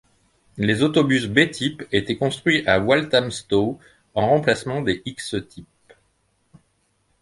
Les autobus B-type étaient construits à Walthamstow en remplacement des X-type.